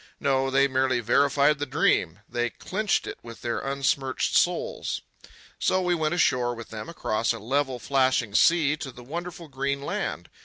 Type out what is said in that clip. No, they merely verified the dream. They clinched it with their unsmirched souls. So we went ashore with them across a level flashing sea to the wonderful green land.